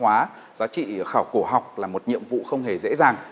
và tồn các giá trị văn hóa giá trị khảo cổ học là một nhiệm vụ không hề dễ dàng